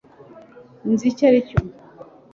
nzi icyo aricyo